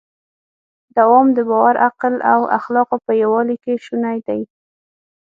دوام د باور، عقل او اخلاقو په یووالي کې شونی دی.